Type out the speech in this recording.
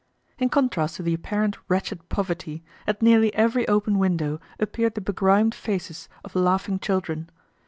In contrast to the apparent wretched poverty, at nearly every open window appeared the begrimed faces of laughing children.